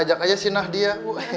ya ajak aja sih nadia